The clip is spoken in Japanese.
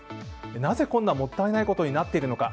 なぜ、こんなもったいないことになっているのか。